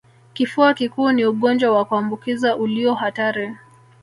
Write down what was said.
Kifua kikuu ni ugonjwa wa kuambukizwa ulio hatari